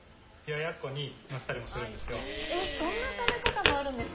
そんな食べ方もあるんですか？